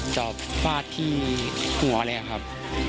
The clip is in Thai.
จอบฟาดที่หัวเลยครับ